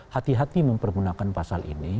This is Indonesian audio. hati hati mempergunakan pasal ini